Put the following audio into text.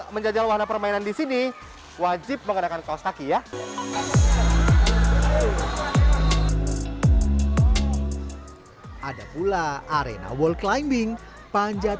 menjajal warna permainan di sini wajib mengenakan kaos kaki ya ada pula arena wall climbing panjat